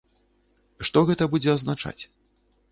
Што гэта будзе азначаць?